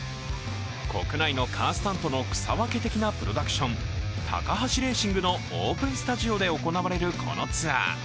国内のカースタントの草分け的なプロダクション、タカハシレーシングのオープンスタジオで行われるこのツアー。